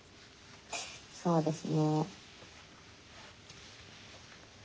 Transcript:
そうですね。